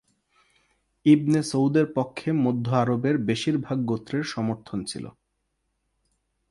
ইবনে সৌদের পক্ষে মধ্য আরবের বেশিরভাগ গোত্রের সমর্থন ছিল।